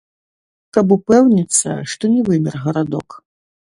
Каб упэўніцца, што не вымер гарадок.